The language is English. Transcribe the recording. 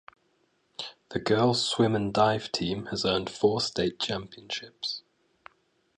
The Girls Swim and Dive team has earned four state championships.